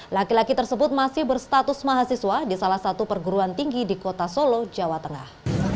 laki laki tersebut masih berstatus mahasiswa di salah satu perguruan tinggi di kota solo jawa tengah